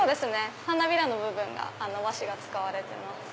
花びらの部分和紙が使われてます。